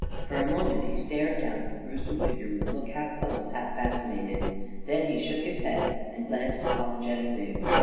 For a moment he stared down at the gruesome figure with a look half puzzled, half fascinated; then he shook his head, and glanced apologetically at Creel.